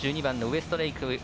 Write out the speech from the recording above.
１２番のウエストレイク。